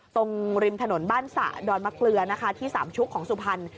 ตรงริมถนนบ้านสะดอนมะเกลือนะคะที่สามชุกของสุพรรณ